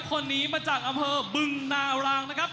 คนนี้มาจากอำเภอบึงนารางนะครับ